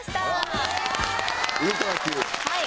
はい。